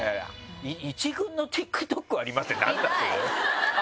「１軍のＴｉｋＴｏｋあります」って何なの？